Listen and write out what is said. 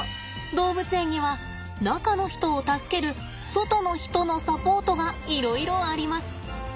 動物園には中の人を助ける外の人のサポートがいろいろあります。